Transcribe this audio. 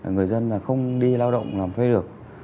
người dân không đi lao động làm thuê được